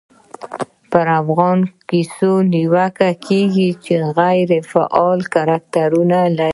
پرا فغانۍ کیسو دا نیوکه کېږي، چي غیري فعاله کرکټرونه لري.